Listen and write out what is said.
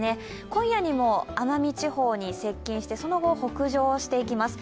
今夜にも奄美地方に接近して、その後北上していきます。